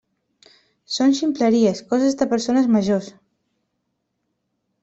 Són ximpleries, coses de persones majors.